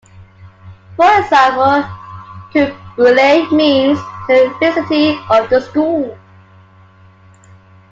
For example, "koululle" means "to the vicinity of the school".